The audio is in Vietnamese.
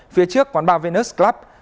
phía trước quán bar venus club